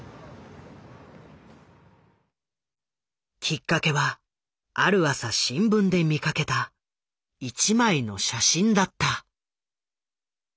きっかけはある朝新聞で見かけた一枚の写真だった。